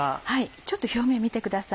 ちょっと表面見てください。